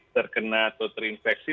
terkena atau terinfeksi